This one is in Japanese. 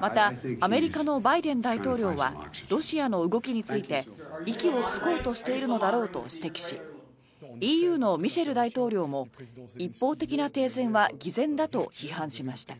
また、アメリカのバイデン大統領はロシアの動きについて息をつこうとしているのだろうと指摘しＥＵのミシェル大統領も一方的な停戦は偽善だと批判しました。